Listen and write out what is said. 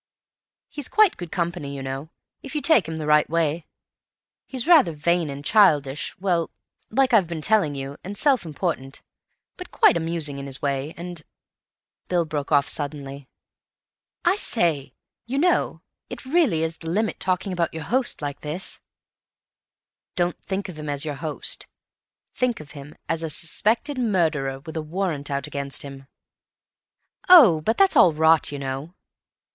"He's quite good company, you know, if you take him the right way. He's rather vain and childish—well, like I've been telling you—and self important; but quite amusing in his way, and——" Bill broke off suddenly. "I say, you know, it really is the limit, talking about your host like this." "Don't think of him as your host. Think of him as a suspected murderer with a warrant out against him." "Oh! but that's all rot, you know."